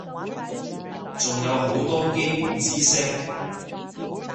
仲有好多基本知識